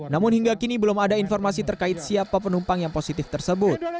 namun hingga kini belum ada informasi terkait siapa penumpang yang positif tersebut